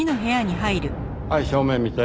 はい正面見て。